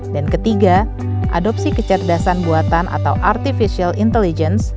dan ketiga adopsi kecerdasan buatan atau artificial intelligence